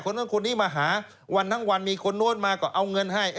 โน้นคนนี้มาหาวันทั้งวันมีคนโน้นมาก็เอาเงินให้